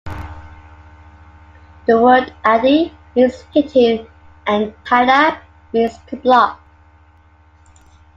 The word "adi" means hitting and "thada" means to block.